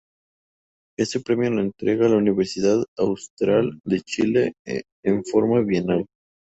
Este premio lo entrega la Universidad Austral de Chile, en forma bienal.